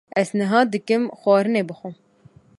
Ez niha dikim xwarinê bixwim.